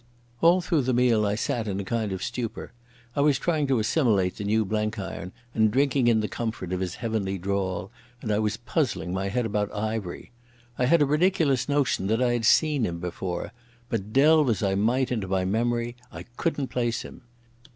All through the meal I sat in a kind of stupor. I was trying to assimilate the new Blenkiron, and drinking in the comfort of his heavenly drawl, and I was puzzling my head about Ivery. I had a ridiculous notion that I had seen him before, but, delve as I might into my memory, I couldn't place him.